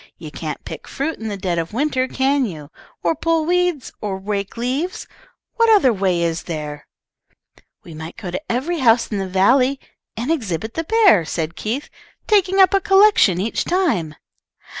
You can't pick fruit in the dead of winter, can you? or pull weeds, or rake leaves? What other way is there?" "We might go to every house in the valley, and exhibit the bear," said Keith, "taking up a collection each time."